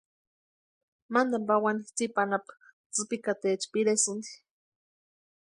Mantani pawani tsipa anapu tsïpikataecha piresïnti.